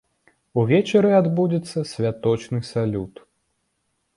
Увечары адбудзецца святочны салют.